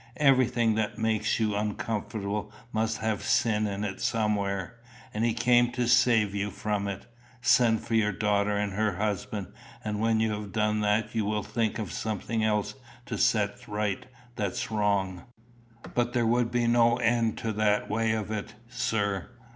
Everything that makes you uncomfortable must have sin in it somewhere, and he came to save you from it. Send for your daughter and her husband, and when you have done that you will think of something else to set right that's wrong." "But there would be no end to that way of it, sir."